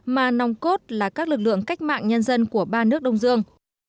mà nòng cốt là các lực lượng cách mạng nhân dân của ba nước đông dương